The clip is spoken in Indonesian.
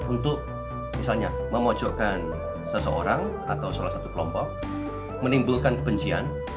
untuk misalnya memojokkan seseorang atau salah satu kelompok menimbulkan kebencian